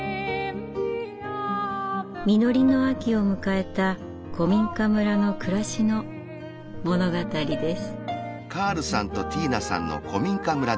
実りの秋を迎えた古民家村の暮らしの物語です。